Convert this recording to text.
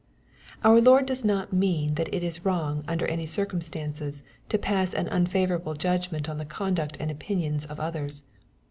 Our Lord does not mean that it is wrong, under any circumstances, to pass an unfavorable judgment on the conduct and opinions of others.